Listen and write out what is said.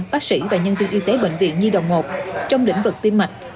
bác sĩ và nhân viên y tế bệnh viện nhi đồng một trong lĩnh vực tiêm mạch